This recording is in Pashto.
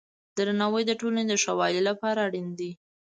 درناوی د ټولنې د ښه والي لپاره اړین دی.